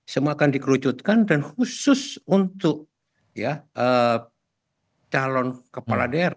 semua akan dikerucutkan dan khusus untuk calon kepala daerah